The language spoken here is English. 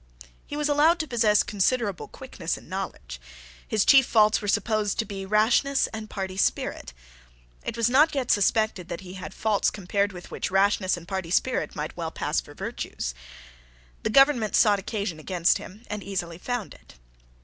He was allowed to possess considerable quickness and knowledge. His chief faults were supposed to be rashness and party spirit. It was not yet suspected that he had faults compared with which rashness and party spirit might well pass for virtues. The government sought occasion against him, and easily found it.